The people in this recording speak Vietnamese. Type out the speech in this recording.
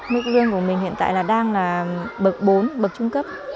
mức lương của mình hiện tại là đang là bậc bốn bậc trung cấp